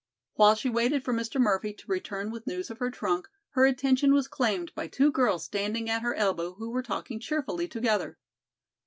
While she waited for Mr. Murphy to return with news of her trunk, her attention was claimed by two girls standing at her elbow who were talking cheerfully together.